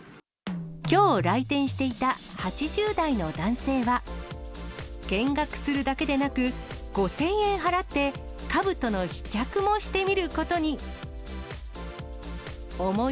きょう来店していた８０代の男性は、見学するだけでなく、５０００円払ってかぶとの試着もしてみることに。